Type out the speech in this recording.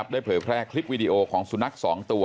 เผยแพร่คลิปวิดีโอของสุนัข๒ตัว